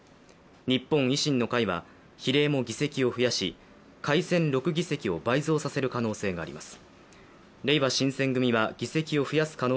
日本維新の会は比例も議席を増やし改選６議席を倍増させる可能性があります